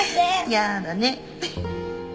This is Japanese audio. やーだね。